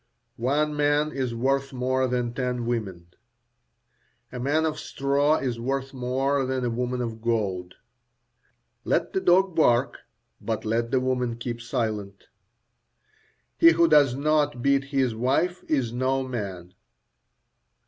One man is worth more than ten women. A man of straw is worth more than a woman of gold. Let the dog bark, but let the woman keep silent. He who does not beat his wife is no man.